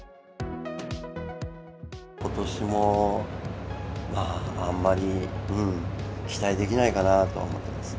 ことしも、まあ、あんまり、期待できないかなとは思ってます。